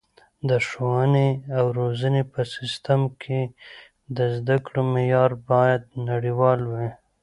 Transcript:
د ښوونې او روزنې په سیستم کې د زده کړو معیار باید نړیوال وي.